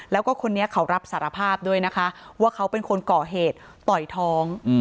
แล้วก็คนนี้เขารับสารภาพด้วยนะคะว่าเขาเป็นคนก่อเหตุต่อยท้อง